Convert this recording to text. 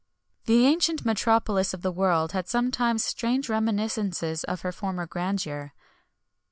[XXI 81] The ancient metropolis of the world had sometimes strange reminiscences of her former grandeur.